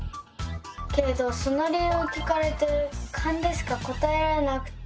けれどその理由を聞かれてカンでしか答えられなくて。